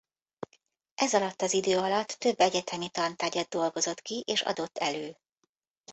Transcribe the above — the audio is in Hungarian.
Ez alatt az idő alatt több egyetemi tantárgyat dolgozott ki és adott elő.